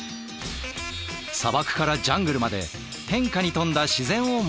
砂漠からジャングルまで変化に富んだ自然を持つ国。